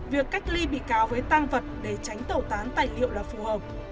việc cách ly bị cáo với tăng vật để tránh tẩu tán tài liệu là phù hợp